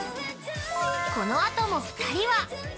このあとも２人は。